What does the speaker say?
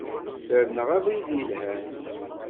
Ferneɣ abrid yelhan.